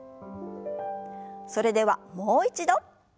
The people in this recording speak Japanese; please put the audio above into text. それではもう一度。